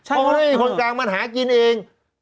เอ้าเห้ยคนกลางมันหากินเอง